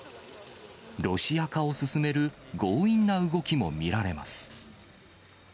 ロシア化を進める強引な動きも見られます。